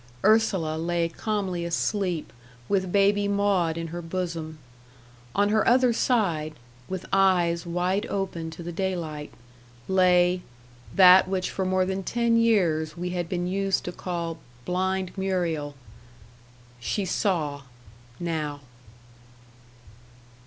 Ursula lay calmly asleep, with baby Maud in her bosom; on her other side, with eyes wide open to the daylight, lay that which for more than ten years we had been used to call "blind Muriel." She saw, now.